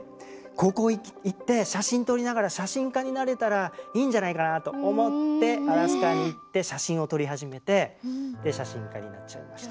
ここ行って写真撮りながら写真家になれたらいいんじゃないかなぁと思ってアラスカに行って写真を撮り始めて写真家になっちゃいました。